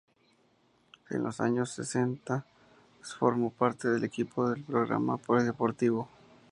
En los años setenta formó parte del equipo del programa "Polideportivo".